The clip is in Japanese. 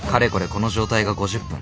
この状態が５０分。